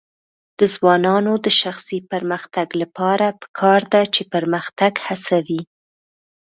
د ځوانانو د شخصي پرمختګ لپاره پکار ده چې پرمختګ هڅوي.